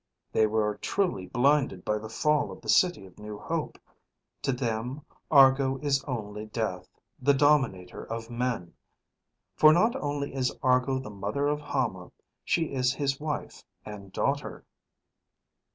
They were truly blinded by the fall of the City of New Hope. To them, Argo is only death, the dominator of men. For not only is Argo the mother of Hama, she is his wife and daughter."